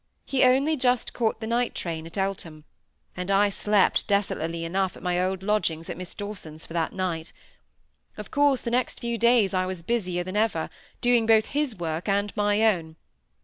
He only just caught the night train at Eltham, and I slept, desolately enough, at my old lodgings at Miss Dawsons', for that night. Of course the next few days I was busier than ever, doing both his work and my own.